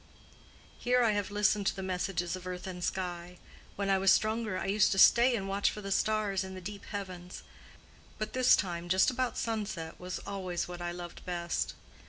Here I have listened to the messages of earth and sky; when I was stronger I used to stay and watch for the stars in the deep heavens. But this time just about sunset was always what I loved best.